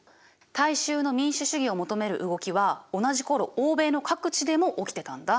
大衆の民主主義を求める動きは同じ頃欧米の各地でも起きてたんだ。